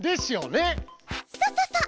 そうそうそう。